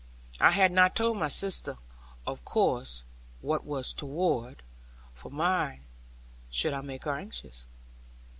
I had not told my sister, of course, what was toward; for why should I make her anxious?